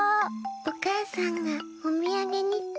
おかあさんがおみやげにって。